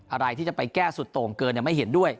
อะไรที่จะไปแก้สุดโต่งเกินไม่เห็นด้วย